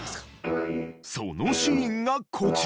そのシーンがこちら。